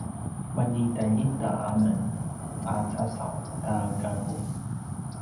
maljitaljita men a casaw ta gaku